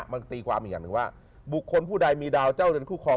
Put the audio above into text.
มันตีความอีกอย่างหนึ่งว่าบุคคลผู้ใดมีดาวเจ้าเรือนคู่ครอง